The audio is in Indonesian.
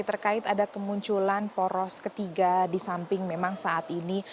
terkait ada kemunculan poros ketiga di samping memang saat ini